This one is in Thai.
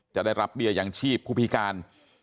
จะได้รับเบี้ยยังชีพผู้พิการ